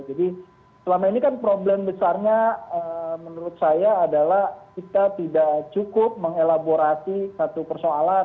jadi selama ini kan problem besarnya menurut saya adalah kita tidak cukup mengelaborasi satu persoalan